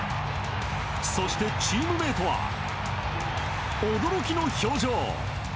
そしてチームメートは驚きの表情。